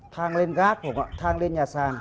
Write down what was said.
thang lên gác hả ạ thang lên nhà sàn